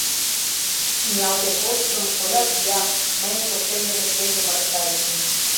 Ниялтен колтышым — коля кия, мыйын шокшем дене шкенжым ырыкта, витне.